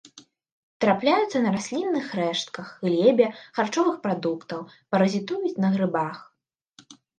Трапляюцца на раслінных рэштках, глебе, харчовых прадуктах, паразітуюць на грыбах.